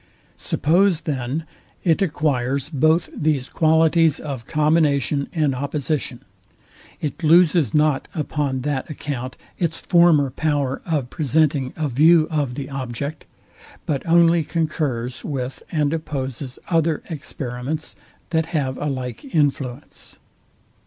Suppose, then, it acquires both these qualities of combination and opposition, it loses not upon that account its former power of presenting a view of the object, but only concurs with and opposes other experiments, that have a like influence.